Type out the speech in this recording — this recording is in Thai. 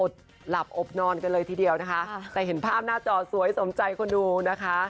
หลับอบนอนกันเลยทีเดียวนะคะแต่เห็นภาพหน้าจอสวยสมใจคนดูนะคะ